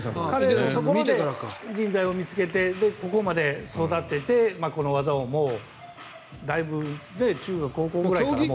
そこで人材を見つけてここまで育ててこの技をだいぶ中学、高校の頃からやっていると。